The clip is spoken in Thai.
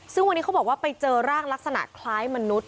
ซึ่งวันนี้เขาบอกว่าไปเจอร่างลักษณะคล้ายมนุษย